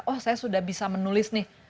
oh saya sudah bisa menulis nih